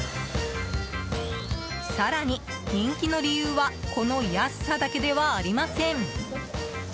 更に、人気の理由はこの安さだけではありません。